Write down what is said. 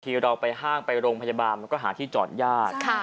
เราไปห้างไปโรงพยาบาลมันก็หาที่จอดยาก